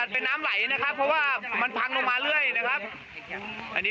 เป็นน้ำไหลนะครับเพราะว่ามันพังลงมาเรื่อยนะครับอันนี้